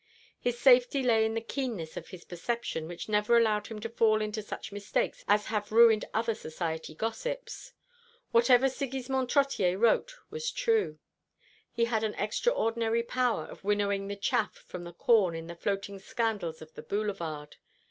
His safety lay in the keenness of his perception, which never allowed him to fall into such mistakes as have ruined other society gossips. Whatever Sigismond Trottier wrote was true. He had an extraordinary power of winnowing the chaff from the corn in the floating scandals of the Boulevard.